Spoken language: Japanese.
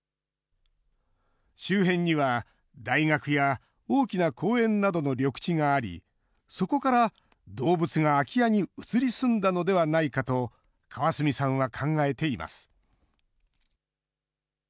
周辺には大学や大きな公園などの緑地があり、そこから動物が空き家に移り住んだのではないかと、川角さんは考えています。